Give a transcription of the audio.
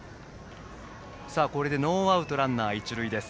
これでノーアウトランナー、一塁。